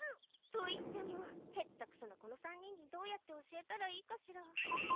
といっても下手くそなこの３人にどうやって教えたらいいかしら。